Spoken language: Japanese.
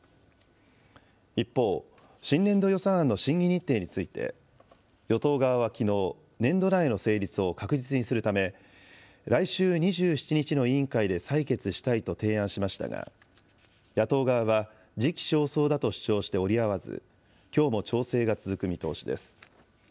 一方、新年度予算案の審議日程について、与党側はきのう、年度内の成立を確実にするため、来週２７日の委員会で採決したいと提案しましたが、野党側は時期尚早だと主張して折り合わず、きょうも調整が続く見通しです。